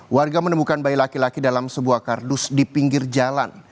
warga menemukan bayi laki laki dalam sebuah kardus di pinggir jalan